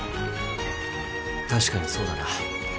確かにそうだな。